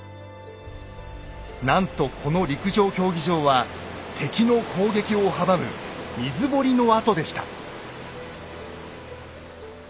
なんとこの陸上競技場は敵の攻撃を阻む水堀の跡でした。